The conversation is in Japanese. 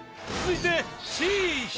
続いて。